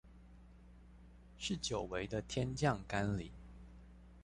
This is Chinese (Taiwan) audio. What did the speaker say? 是久違的天降甘霖